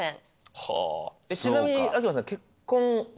ちなみに秋山さん。